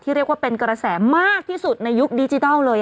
เรียกว่าเป็นกระแสมากที่สุดในยุคดิจิทัลเลย